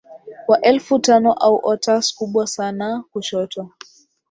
wa elfu tano au otters kubwa sana kushoto